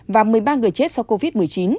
và một mươi ba người chết do covid một mươi chín